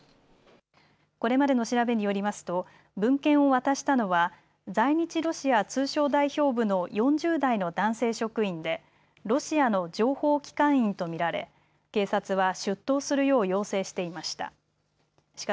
これまでの調べによりますと文献を渡したのは在日ロシア通商代表部の４０代の男性職員でロシアの情報機関員と見られ警察は出頭するよう要請していました。